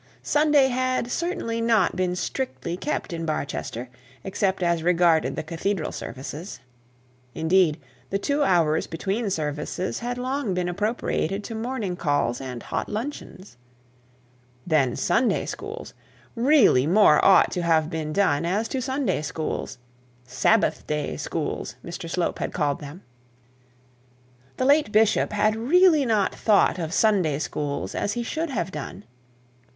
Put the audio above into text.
Sunday certainly had to been strictly kept in Barchester, except as regarded the cathedral services. Indeed the two hours between services had long been appropriated to morning calls and hot luncheons. Then Sunday schools; Sabbath day schools Mr Slope had called them. The late bishop had really not thought of Sunday schools as he should have done.